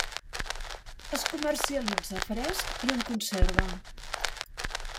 Es comercialitza fresc i en conserva.